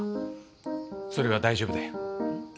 それは大丈夫だよ。